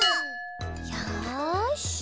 よし。